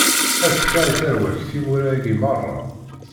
Ad fkeɣ i tarwa-k timura-agi meṛṛa.